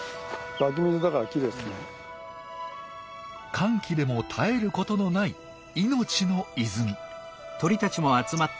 乾季でも絶えることのない命の泉。